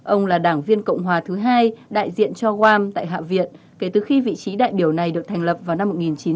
ông là đảng viên cộng hòa thứ hai đại diện cho gram tại hạ viện kể từ khi vị trí đại biểu này được thành lập vào năm một nghìn chín trăm bảy mươi